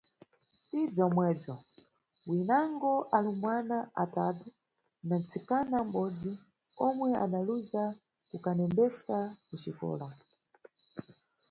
Si bzomwebzo, winango alumbwana atatu na ntsikana mʼbodzi omwe adaluza kukanembesa ku xikola.